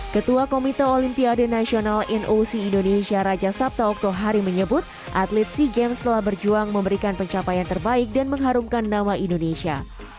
ketua komite olimpiade nasional noc indonesia raja sabta oktohari menyebut atlet sea games telah berjuang memberikan pencapaian terbaik dan mengharumkan nama indonesia